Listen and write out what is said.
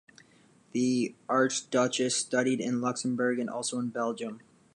The archduchess studied in Luxembourg and also in Belgium.